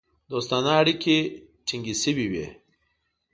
دوستانه اړیکو ټینګ سوي وه.